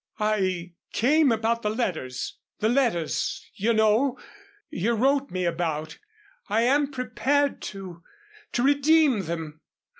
"I came about the letters the letters, you know, you wrote me about. I am prepared to to redeem them."